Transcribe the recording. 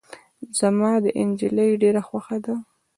زما دا نجلی ډیره خوښه ده.